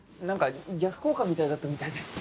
なんか逆効果みたいだったみたいで。